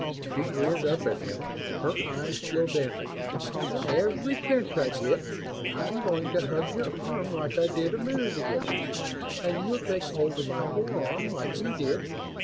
She grinned up at him, her eyes still dancing. "Every chance I get, I'm going to hug your arm like I did a minute ago. And you'll take hold of my forearm, like you did!